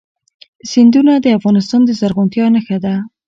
سیندونه د افغانستان د زرغونتیا نښه ده.